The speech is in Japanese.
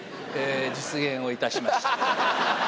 実現をいたしました。